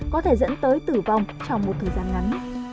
có thể dẫn tới tử vong trong một thời gian ngắn